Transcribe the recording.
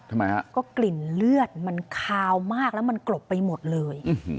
ทำไมฮะก็กลิ่นเลือดมันคาวมากแล้วมันกลบไปหมดเลย